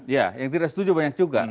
ya yang tidak setuju banyak juga